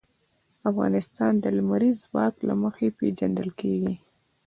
افغانستان د لمریز ځواک له مخې پېژندل کېږي.